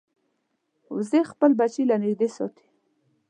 وزې خپل بچي له نږدې ساتي